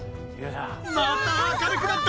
また明るくなった！